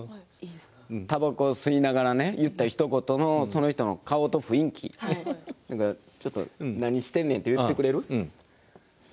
たばこを吸いながら言ったひと言のその人の顔と雰囲気ちょっと何してんねんって言ってくれる？